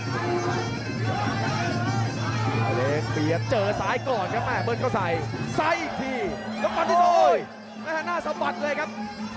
ชัยเล็กเปลี่ยนเจอสายก่อนครับอ่ะเบิร์ดเข้าใสใสอีกทีแล้วก่อนที่สวยแม่ธนาสมบัติเลยครับ